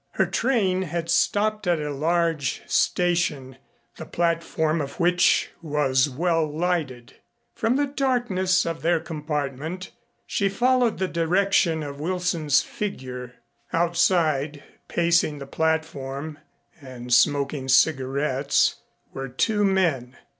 Her train had stopped at a large station, the platform of which was well lighted. From the darkness of their compartment she followed the direction of Wilson's figure. Outside, pacing the platform and smoking cigarettes, were two men.